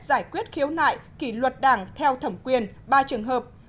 giải quyết khiếu nại kỷ luật đảng theo thẩm quyền ba trường hợp